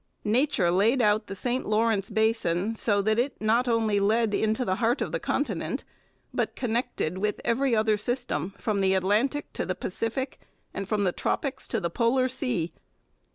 Nature laid out the St Lawrence basin so that it not only led into the heart of the continent, but connected with every other system from the Atlantic to the Pacific and from the Tropics to the Polar sea.